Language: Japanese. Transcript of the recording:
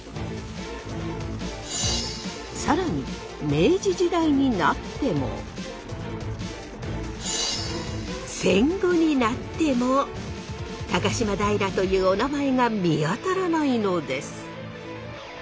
更に明治時代になっても戦後になっても高島平というおなまえが見当たらないのです。